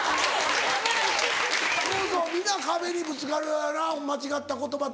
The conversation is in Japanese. そうそう皆壁にぶつかるよな間違った言葉とか。